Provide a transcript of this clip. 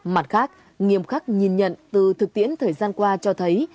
mặt khác nghiêm khắc nhìn nhận từ thực tiễn thời gian qua cho thấy